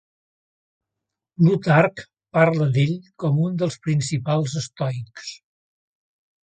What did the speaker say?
Plutarc parla d'ell com un dels principals estoics.